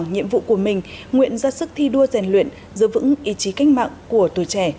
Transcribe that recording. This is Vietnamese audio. nhiệm vụ của mình nguyện ra sức thi đua rèn luyện giữ vững ý chí cách mạng của tuổi trẻ